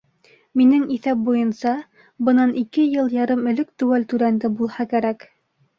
Минең иҫәп буйынса, бынан ике йыл ярым элек теүәл түләнде булһа кәрәк.